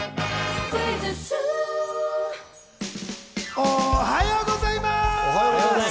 おはようございます！